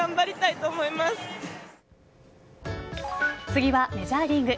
次はメジャーリーグ。